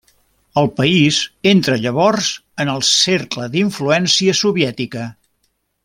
El país entra llavors en el cercle d'influència soviètica.